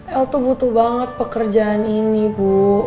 el tuh butuh banget pekerjaan ini bu